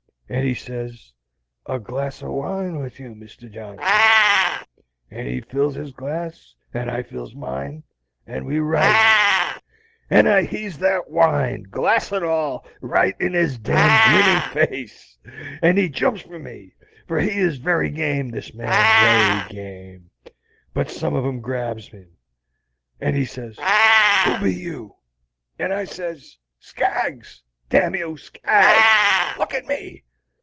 And he sez, 'A glass o' wine with you, Mr. Johnson'; and he fills his glass and I fills mine, and we rises. And I heaves that wine, glass and all, right into his damned grinnin' face. And he jumps for me, for he is very game, this Man, very game, but some on 'em grabs him, and he sez, 'Who be you?' And I sez, 'Skaggs! damn you, Skaggs! Look at me!